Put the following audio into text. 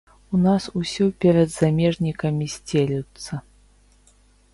У нас усё перад замежнікамі сцелюцца.